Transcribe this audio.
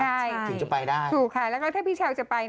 ใช่ถึงจะไปได้ถูกค่ะแล้วก็ถ้าพี่เช้าจะไป